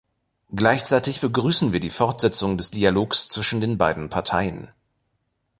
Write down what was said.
Gleichzeitig begrüßen wir die Fortsetzung des Dialogs zwischen den beiden Parteien.